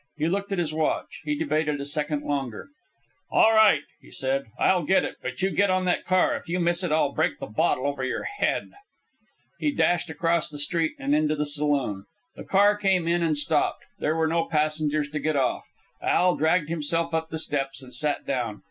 He looked at his watch. He debated a second longer. "All right," he said. "I'll get it. But you get on that car. If you miss it, I'll break the bottle over your head." He dashed across the street and into the saloon. The car came in and stopped. There were no passengers to get off. Al dragged himself up the steps and sat down.